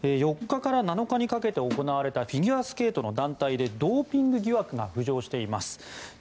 ４日から７日にかけて行われたフィギュアスケート団体でドーピング疑惑が浮上しています。